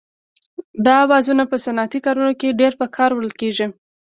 دا اوزارونه په صنعتي کارونو کې ډېر په کار وړل کېږي.